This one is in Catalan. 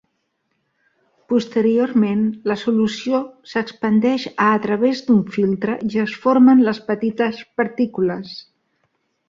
Posteriorment, la solució s'expandeix a través d'un filtre i es formen les petites partícules.